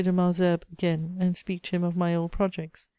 de Malesherbes again and speak to him of my old projects.